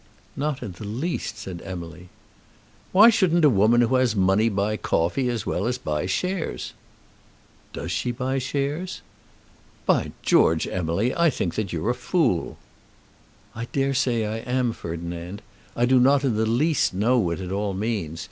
"Not in the least," said Emily. "Why shouldn't a woman who has money buy coffee as well as buy shares?" "Does she buy shares?" "By George, Emily, I think that you're a fool." "I dare say I am, Ferdinand. I do not in the least know what it all means.